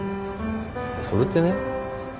それってねもの